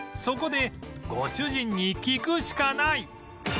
そこでご主人に聞くしかない